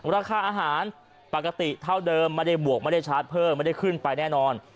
ราคาอาหารปกติเท่าเดิมไม่ได้บวกไม่ได้ชาร์จเพิ่มไม่ได้ขึ้นไปแน่นอน